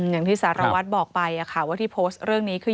อย่างที่สารวัตรบอกไปว่าที่โพสต์เรื่องนี้คือ